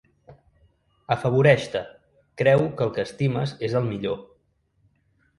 Afavoreix-te, creu que el que estimes és el millor.